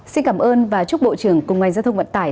xin cảm ơn và chúc bộ trưởng cùng ngành giao thông vận tải